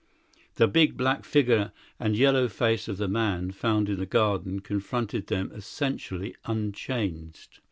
The big black figure and yellow face of the man found in the garden confronted them essentially unchanged.